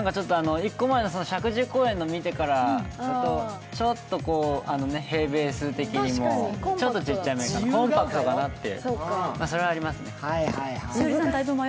１個前の石神井公園のを見ると、ちょっと平米数的にもちょっとちっちゃ目かなコンパクトかなって、それはありますね。